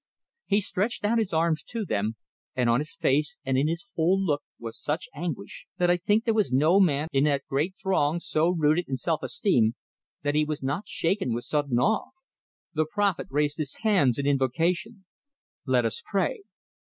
He stretched out his arms to them, and on his face and in his whole look was such anguish, that I think there was no man in that whole great throng so rooted in self esteem that he was not shaken with sudden awe. The prophet raised his hands in invocation: "Let us pray!"